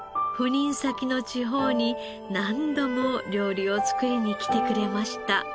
赴任先の地方に何度も料理を作りに来てくれました。